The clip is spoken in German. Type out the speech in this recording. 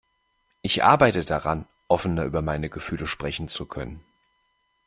Ich arbeite daran, offener über meine Gefühle sprechen zu können.